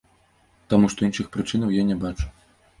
Таму што іншых прычынаў я не бачу.